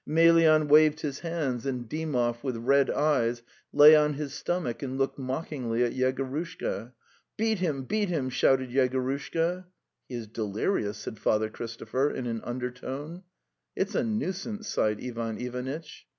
Emelyan waved his hands, and Dymoy with red eyes lay on his stomach and looked mockingly at Yegorushka. '" Beat him, beat him!" shouted Yegorushka. 'He is delirious," said Father Christopher in an undertone. '"Tt's a nuisance!" sighed Ivan Ivanitch.